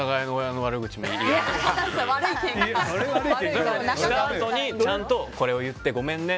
したあとに、ちゃんとこれを言ってごめんね